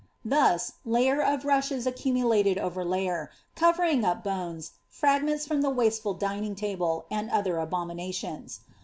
Thus, layer of rushes accumulated over layer, covering up bones, fragments from the wasteful dining table, and other abominations.